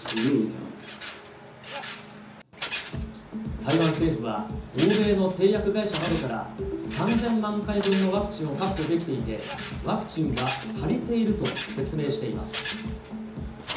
台湾政府は、欧米の製薬会社などから、３０００万回分のワクチンを確保できていて、ワクチンは足りていると説明しています。